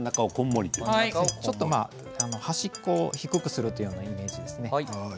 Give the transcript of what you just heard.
ちょっと端っこを低くするというイメージですね。